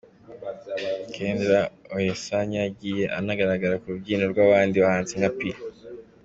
Kendra Oyesanya yagiye anagaragara ku rubyiniro rw’abandi bahanzi nka P.